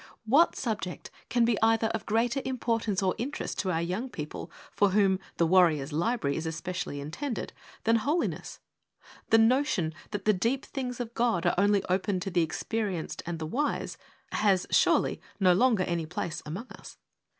What subject can be either of greater importance or interest to our Young People, for whom ' The Warriors' Library ' is especially intended, than Holiness? The notion that the deep things of God are only open to the experienced and the wise, has, surely, no longer any place among us.